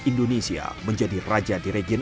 indonesia menjadi raja di region